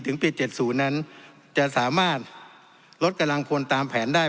ถึงปี๗๐นั้นจะสามารถลดกำลังพลตามแผนได้